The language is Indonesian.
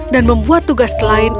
dan membuat tugas lain